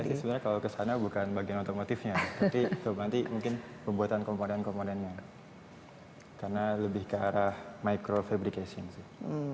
saya kira sebenarnya kalau ke sana bukan bagian otomotifnya tapi nanti mungkin pembuatan komponen komponennya karena lebih ke arah micro fabrication sih